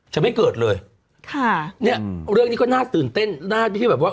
จะไม่เกิดเลยค่ะเนี่ยเรื่องนี้ก็น่าตื่นเต้นน่าที่แบบว่า